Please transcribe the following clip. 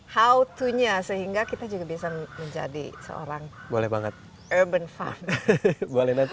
how to nya sehingga kita juga bisa menjadi seorang urban farmer